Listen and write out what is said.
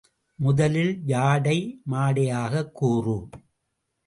முதலில் ஜாடை மாடையாகக் கூறு!